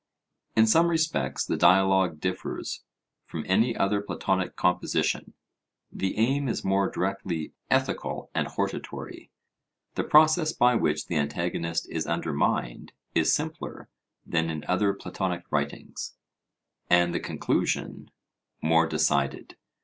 In some respects the dialogue differs from any other Platonic composition. The aim is more directly ethical and hortatory; the process by which the antagonist is undermined is simpler than in other Platonic writings, and the conclusion more decided.